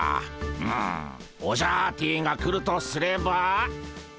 うむオジャアーティが来るとすれば。